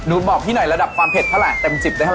หนูบอกพี่หน่อยระดับความเผ็ดเต็ม๑๐ได้เท่าไหร่